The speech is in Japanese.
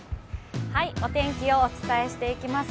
お天気をお伝えしていきます。